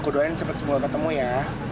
aku doain cepat semua ketemu ya